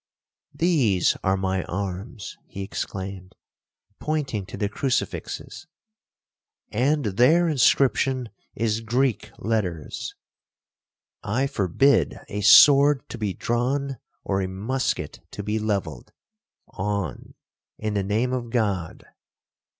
'These are my arms!' he exclaimed, pointing to the crucifixes, 'and their inscription is '. 'I forbid a sword to be drawn, or a musket to be levelled. On, in the name of God.'